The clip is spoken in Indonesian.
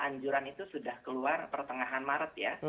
anjuran itu sudah keluar pertengahan maret ya